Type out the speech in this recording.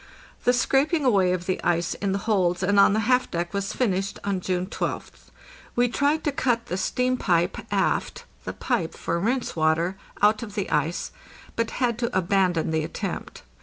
The scraping away of the ice in the holds and on the half deck was finished on June 12th. We tried to cut the steam pipe aft (the pipe for rinse water) out of the ice, but had to abandon the attempt.